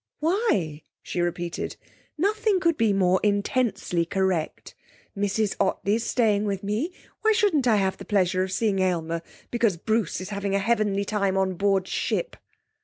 'Why?' she repeated. 'Nothing could be more intensely correct. Mrs Ottley's staying with me why shouldn't I have the pleasure of seeing Aylmer because Bruce is having a heavenly time on board ship?'